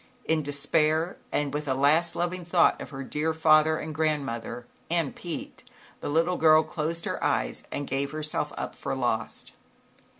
In despair and with a last loving thought of her dear father and grandmother and Pete, the little girl closed her eyes and gave herself up for lost.